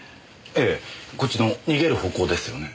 ええこっちの逃げる方向ですよね。